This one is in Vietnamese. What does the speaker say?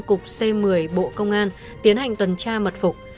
cục c một mươi bộ công an tiến hành tuần tra mật phục